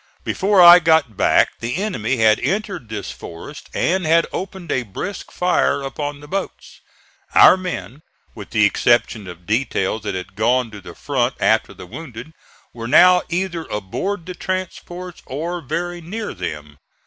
Before I got back the enemy had entered this forest and had opened a brisk fire upon the boats. Our men, with the exception of details that had gone to the front after the wounded, were now either aboard the transports or very near them.